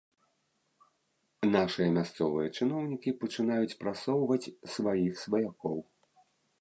Нашыя мясцовыя чыноўнікі пачынаюць прасоўваць сваіх сваякоў.